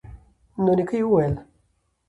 نو نیکه یې وویل